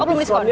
oh belum diskon